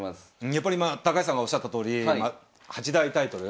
やっぱりまあ高橋さんがおっしゃったとおり八大タイトル？